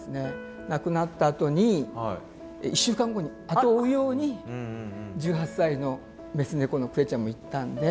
亡くなったあとに１週間後に後を追うように１８歳の雌猫のクレちゃんも逝ったんで。